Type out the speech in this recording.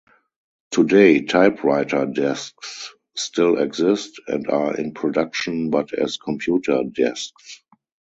Today, typewriter desks still exist, and are in production but as computer desks.